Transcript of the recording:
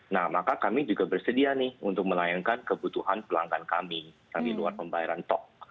nah maka kami juga bersedia nih untuk melayangkan kebutuhan pelanggan kami yang di luar pembayaran top